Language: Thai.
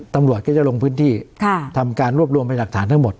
ตำรวจก็จะลงพื้นที่ทำการรวบรวมไปหลักฐานทั้งหมด